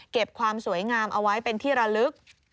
ความสวยงามเอาไว้เป็นที่ระลึก